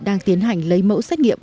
đang tiến hành lấy mẫu xét nghiệm